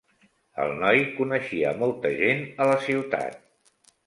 El noi coneixia molt gent a la ciutat.